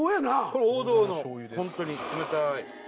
これ王道のホントに冷たい。